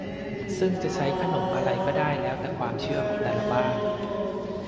ซึ่งจะใช้ขนมอะไรก็ได้แล้วแต่ความเชื่อของแต่ละบ้าน